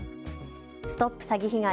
ＳＴＯＰ詐欺被害！